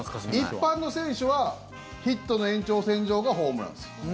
一般の選手はヒットの延長線上がホームラン。